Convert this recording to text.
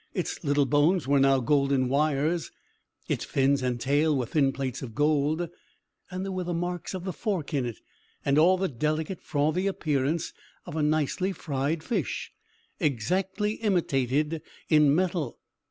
Its little bones were now golden wires; its fins and tail were thin plates of gold; and there were the marks of the fork in it, and all the delicate, frothy appearance of a nicely fried fish, exactly imitated in metal.